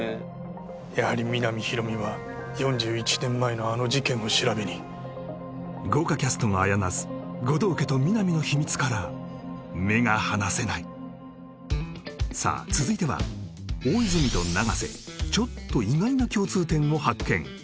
やはり皆実広見は４１年前のあの事件を調べに豪華キャストがあやなす護道家と皆実の秘密から目が離せないさあ続いては大泉と永瀬ちょっと意外な共通点を発見